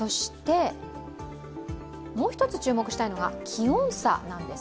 もう一つ注目したいのが気温差です。